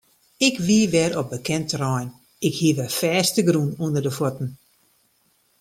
Ik wie wer op bekend terrein, ik hie wer fêstegrûn ûnder de fuotten.